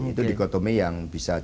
itu dikotomi yang bisa